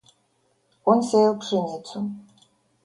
Он сеял пшеницу.